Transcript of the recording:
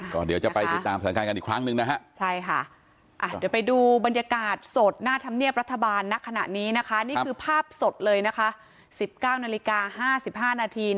ก็เดี๋ยวจะไปติดตามสถานการณ์กันอีกครั้งหนึ่งนะฮะใช่ค่ะเดี๋ยวไปดูบรรยากาศสดหน้าธรรมเนียบรัฐบาลณขณะนี้นะคะนี่คือภาพสดเลยนะคะ๑๙นาฬิกา๕๕นาที